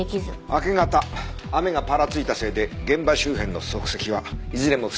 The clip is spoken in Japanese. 明け方雨がぱらついたせいで現場周辺の足跡はいずれも不鮮明だった。